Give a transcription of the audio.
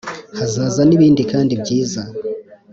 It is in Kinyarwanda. hazaza n’ibindi kandi byiza